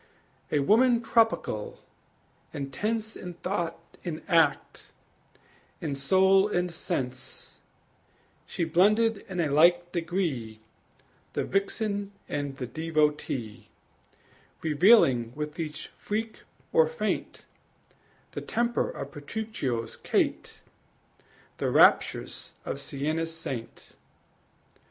A woman tropical, intense In thought and act, in soul and sense, She blended in a like degree The vixen and the devotee, Revealing with each freak or feint The temper of Petruchio's Kate, The raptures of Siena's saint.